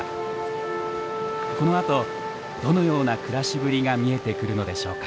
このあとどのような暮らしぶりが見えてくるのでしょうか。